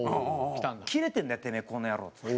「キレてんだよ、てめえこの野郎」っつって。